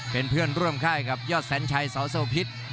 เป็นเพื่อนร่วมค่ายกับยอดแสนชัยสโสพิษ